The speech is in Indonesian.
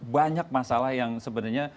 banyak masalah yang sebenarnya